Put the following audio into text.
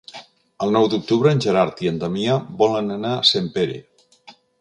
El nou d'octubre en Gerard i en Damià volen anar a Sempere.